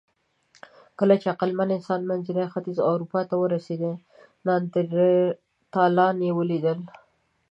کله چې عقلمن انسان منځني ختیځ او اروپا ته ورسېد، نیاندرتالان یې ولیدل.